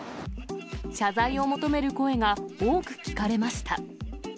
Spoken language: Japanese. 謝罪を求める声が多く聞かれました。